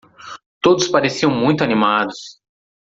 Todos pareciam muito animados.